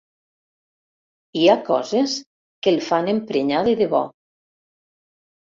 Hi ha coses que el fan emprenyar de debò.